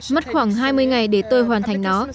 mất khoảng hai mươi ngày để tôi hoàn thành nó